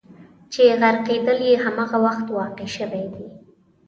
چې غرقېدل یې همغه وخت واقع شوي دي.